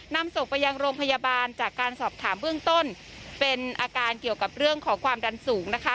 นำศพไปยังโรงพยาบาลจากการสอบถามเบื้องต้นเป็นอาการเกี่ยวกับเรื่องของความดันสูงนะคะ